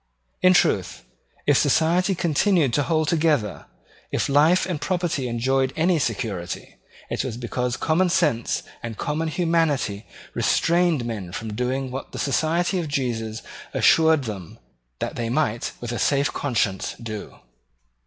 In truth, if society continued to hold together, if life and property enjoyed any security, it was because common sense and common humanity restrained men from doing what the Society of Jesus assured them that they might with a safe conscience do.